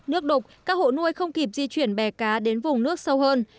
nước đục các hộ nuôi không kịp di chuyển bè cá đến vùng nước sâu hơn